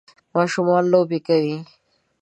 ماشومان لوبی کوی.